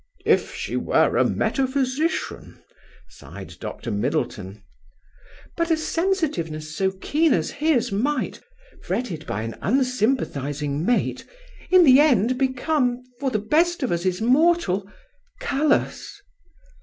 "If she were a metaphysician!" sighed Dr. Middleton. " But a sensitiveness so keen as his might "" Fretted by an unsympathizing mate "" In the end become, for the best of us is mortal "" Callous!"